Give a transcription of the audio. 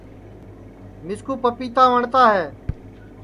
مِسکُو پَپیتا وٹؔتا ہے